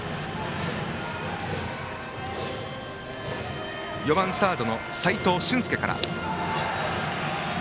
打席は４番サードの齋藤舜介から。